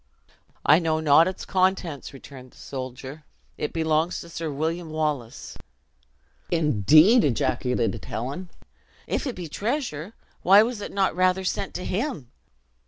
"I know not its contents," returned the soldier; "it belongs to Sir William Wallace." "Indeed!" ejaculated Helen. "If it be treasure, why was it not rather sent to him!"